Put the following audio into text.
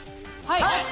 はい！